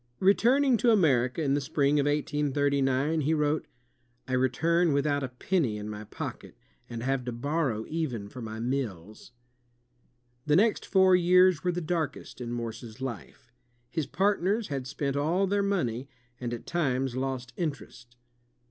Retmning to America in the spring of 1839, he wrote: "I retimi without a penny in my pocket, and have to borrow even for my meals." The next four years were the darkest in Morse's life. His partners had spent all their money, and at times lost interest.